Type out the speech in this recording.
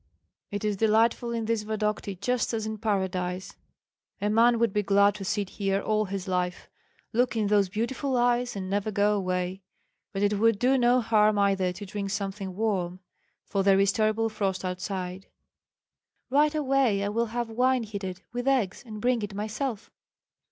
It is delightful in this Vodokty, just as in paradise. A man would be glad to sit here all his life, look in those beautiful eyes, and never go away But it would do no harm, either, to drink something warm, for there is terrible frost outside." "Right away I will have wine heated, with eggs, and bring it myself."